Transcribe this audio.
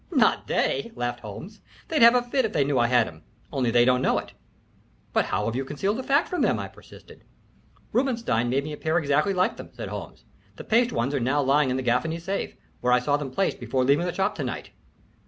"Not they," laughed Holmes. "They'd have a fit if they knew I had 'em, only they don't know it." "But how have you concealed the fact from them?" I persisted. "Robinstein made me a pair exactly like them," said Holmes. "The paste ones are now lying in the Gaffany safe, where I saw them placed before leaving the shop to night."